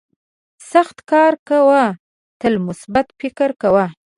سخت کار کوه تل مثبت فکر کوه.